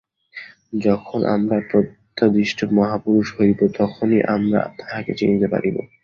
যখন আমরা প্রত্যাদিষ্ট মহাপুরুষ হইব, তখনই আমরা তাঁহাকে চিনিতে পারিব।